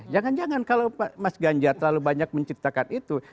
jangan jangan kalau mas ganjar terlalu banyak menciptakan itu